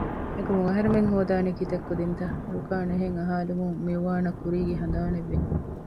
އެކަމަކު އަހަރެމެން ހޯދާނީ ކިތައް ކުދިންތަ؟ ރުކާން އެހެން އަހާލުމުން މިއުވާންއަށް ކުރީގެ ހަނދާނެއްވި